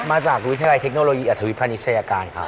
มาจากวิทยาลัยเทคโนโลยีอัธวิพานิชยาการครับ